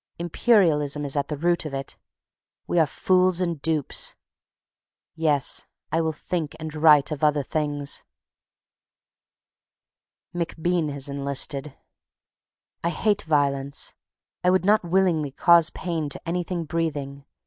Imperialism is at the root of it. We are fools and dupes. Yes, I will think and write of other things. ... MacBean has enlisted. I hate violence. I would not willingly cause pain to anything breathing.